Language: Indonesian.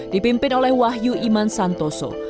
dipimpin oleh wahyu iman santoso